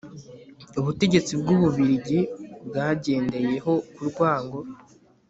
ubutegetsi bw'ububiligi bwagendeyeho ku rwango